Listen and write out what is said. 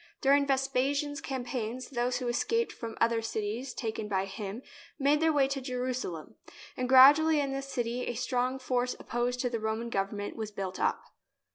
During Ves pasian's campaigns those who escaped from other cities taken by him made their way to Jerusalem, and gradually in this city a strong force opposed to the Roman government was built up.